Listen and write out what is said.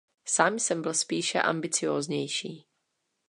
Sám jsem byl spíše ambicióznější.